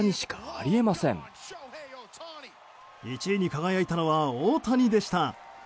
１位に輝いたのは大谷でした。